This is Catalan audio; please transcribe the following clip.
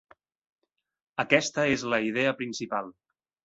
Aquesta és la idea principal.